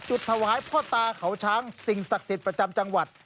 ถวายพ่อตาเขาช้างสิ่งศักดิ์สิทธิ์ประจำจังหวัด